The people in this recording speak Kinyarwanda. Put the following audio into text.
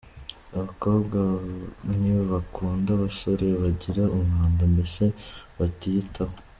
Abakobwa ntibakunda abasore bagira umwanda, mbese batiyitaho.